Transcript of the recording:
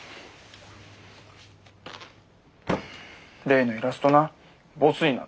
例のイラストなボツになったよ。